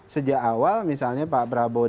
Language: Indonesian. sejak awal misalnya pak prabowo